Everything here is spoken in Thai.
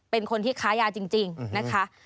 เป็นคนที่ค้ายาจริงนะคะ